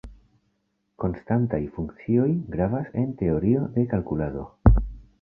Konstantaj funkcioj gravas en teorio de kalkulado.